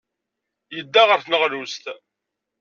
Yedda ɣer tneɣlust.